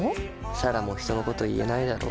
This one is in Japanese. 彩良も人のこと言えないだろ。